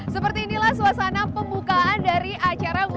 seperti inilah suasana pembukaan dari acara worl